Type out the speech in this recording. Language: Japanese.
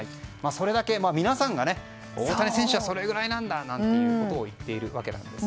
それだけ皆さんが大谷選手はそれぐらいなんだということを言っているわけなんです。